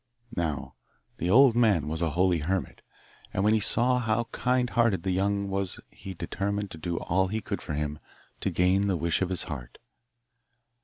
Now the old man was a holy hermit, and when he saw how kind hearted the youth was he determined to do all he could for him to gain the wish of his heart.